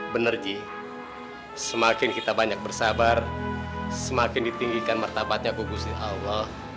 bener ji semakin kita banyak bersabar semakin ditinggikan mertabatnya kubus di allah